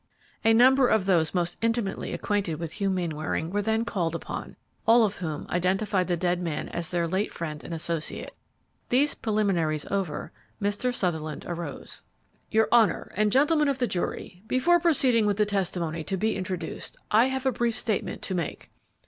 A number of those most intimately acquainted with Hugh Mainwaring were then called upon, all of whom identified the dead man as their late friend and associate. These preliminaries over, Mr. Sutherland arose. "Your honor and gentlemen of the jury, before proceeding with the testimony to be introduced, I have a brief statement to make.